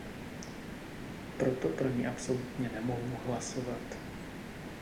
Proto pro ni absolutně nemohu hlasovat.